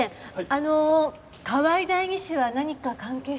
あの河合代議士は何か関係してるんですか？